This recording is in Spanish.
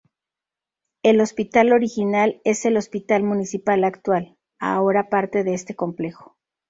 El hospital original es el Hospital Municipal actual, ahora parte de este complejo.